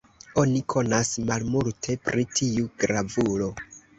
Oni konas malmulte pri tiu gravulo.